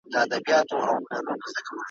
د جومات دېره مې خوشې کړه ملا ته.